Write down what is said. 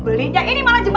bisa berubah juga